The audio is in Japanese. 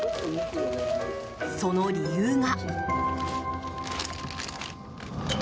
その理由が。